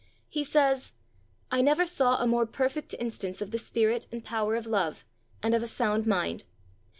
He says: "I never saw a more perfect instance of the spirit and power of love, and of a sound mind.